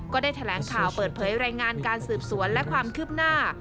ก็ได้แถลงข่าวเปิดเผยรายงานการสืบสวนและความคืบหน้า